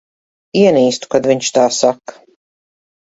Ienīstu, kad viņš tā saka.